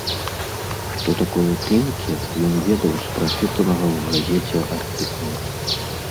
Што такое клінкер, ён ведаў з прачытанага ў газеце артыкула.